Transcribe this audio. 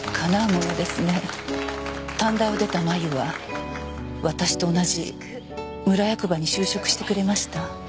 短大を出た麻由は私と同じ村役場に就職してくれました。